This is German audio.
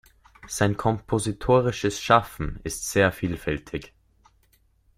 Sein kompositorisches Schaffen ist sehr vielfältig.